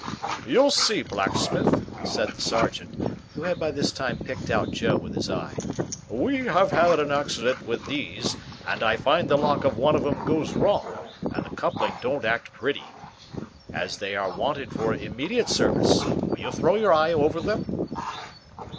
"You see, blacksmith," said the sergeant, who had by this time picked out Joe with his eye, "we have had an accident with these, and I find the lock of one of 'em goes wrong, and the coupling don't act pretty. As they are wanted for immediate service, will you throw your eye over them?"